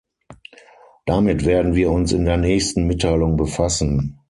Damit werden wir uns in der nächsten Mitteilung befassen.